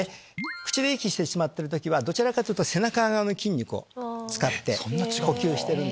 口で息してる時はどちらかというと背中側の筋肉を使って呼吸してるんですね。